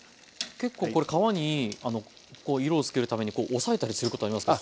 結構これ皮にこう色をつけるために押さえたりすることありますけど。